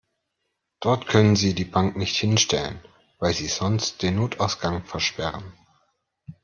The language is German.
Dort können Sie die Bank nicht hinstellen, weil Sie sonst den Notausgang versperren.